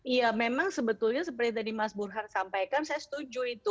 iya memang sebetulnya seperti tadi mas burhan sampaikan saya setuju itu